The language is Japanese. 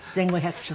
１５００勝。